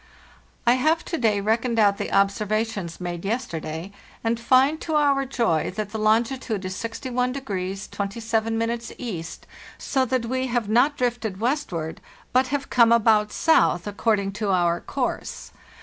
"T have to day reckoned out the observations made yesterday, and find, to our joy, that the longitude is 61° 27' E., so that we have not drifted westward, but have come about south, according to our course.